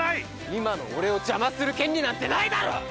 今の俺を邪魔する権利なんてないだろ！